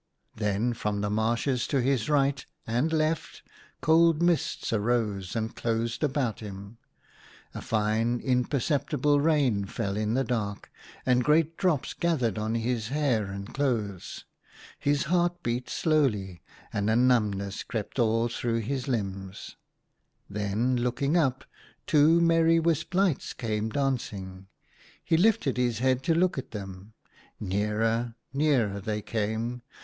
Then from the marshes to his right and left cold mists arose and closed about him. A fine, imperceptible rain fell in the dark, and great drops gathered on his hair and clothes. His heart beat slowly, and a numbness crept through all his limbs. Then, looking up, two merry wisp lights came dancing. He lifted his head to look at them. Nearer, nearer they came.